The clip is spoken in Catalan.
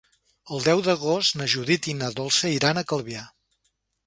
El deu d'agost na Judit i na Dolça iran a Calvià.